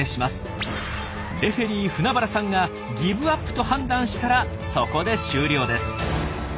レフェリー舩原さんがギブアップと判断したらそこで終了です。